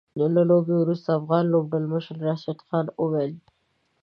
له لوبې وروسته افغان لوبډلمشر راشد خان وويل